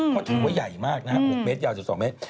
เขาถือว่าใหญ่มากนะฮะ๖เมตรยาว๑๒เมตร